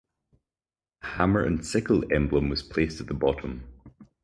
A Hammer and Sickle emblem was placed at the bottom.